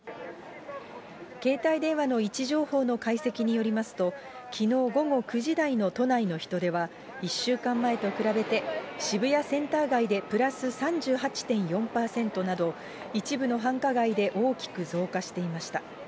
携帯電話の位置情報の解析によりますと、きのう午後９時台の都内の人出は、１週間前と比べて、渋谷センター街でプラス３８．４％など、一部の繁華街で大きく増加していました。